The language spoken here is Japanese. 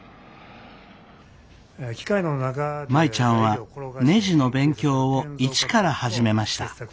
舞ちゃんはねじの勉強を一から始めました。